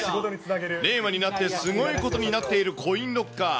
令和になってすごいことになっているコインロッカー。